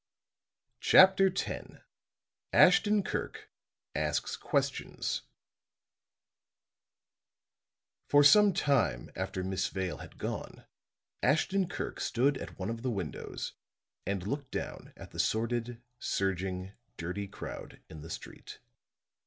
CHAPTER X ASHTON KIRK ASKS QUESTIONS For some time after Miss Vale had gone, Ashton Kirk stood at one of the windows and looked down at the sordid, surging, dirty crowd in the street.